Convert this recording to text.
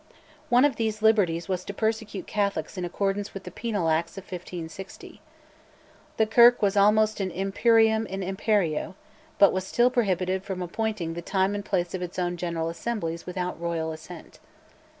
One of these liberties was to persecute Catholics in accordance with the penal Acts of 1560. The Kirk was almost an imperium in imperio, but was still prohibited from appointing the time and place of its own General Assemblies without Royal assent.